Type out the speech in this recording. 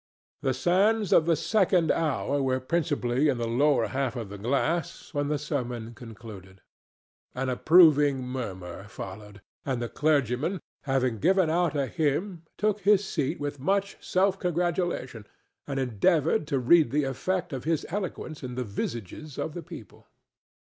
The sands of the second hour were principally in the lower half of the glass when the sermon concluded. An approving murmur followed, and the clergyman, having given out a hymn, took his seat with much self congratulation, and endeavored to read the effect of his eloquence in the visages of the people.